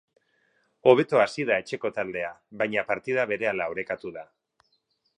Hobeto hasi da etxeko taldea, baina partida berehala orekatu da.